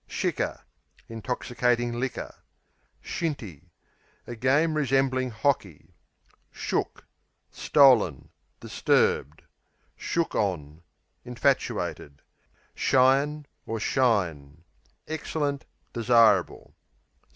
Shicker Intoxicating liquor. Shinty A game resembling hockey. Shook Stolen; disturbed. Shook on Infatuated. Shyin' or Shine Excellent; desirable.